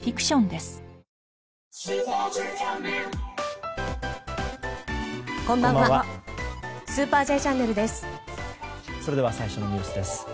それでは最初のニュースです。